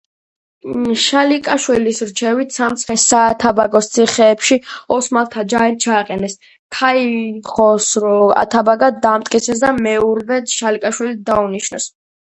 შალიკაშვილის რჩევით სამცხე-საათაბაგოს ციხეებში ოსმალთა ჯარი ჩააყენეს, ქაიხოსრო ათაბაგად დაამტკიცეს და მეურვედ შალიკაშვილი დაუნიშნეს.